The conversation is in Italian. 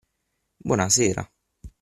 Buonasera!